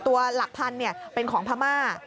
หลักพันธุ์เป็นของพม่า